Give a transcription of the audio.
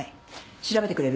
調べてくれる？